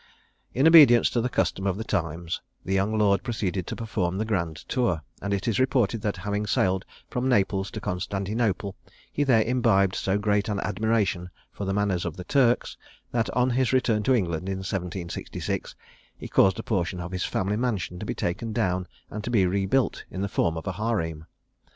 In obedience to the custom of the times, the young lord proceeded to perform the grand tour; and it is reported that having sailed from Naples to Constantinople, he there imbibed so great an admiration for the manners of the Turks, that on his return to England in 1766, he caused a portion of his family mansion to be taken down, and to be rebuilt in the form of a harem.